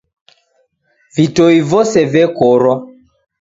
Vitoi vose vekorwa.